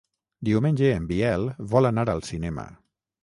Diumenge en Biel vol anar al cinema.